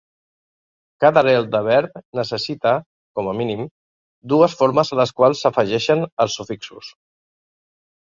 Cada arrel de verb necessita, com a mínim, dues formes a les quals s"afegeixen els sufixos.